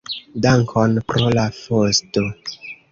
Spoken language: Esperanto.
Dankon pro la fosto.